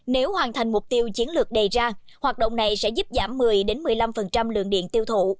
nếu hoàn thành mục tiêu chiến lược đề ra hoạt động này sẽ giúp giảm một mươi một mươi năm lượng điện tiêu thụ